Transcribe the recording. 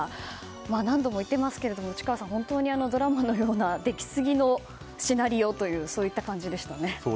何度も言っていますけれども本当にドラマのような出来過ぎのシナリオというそういった感じでしたね。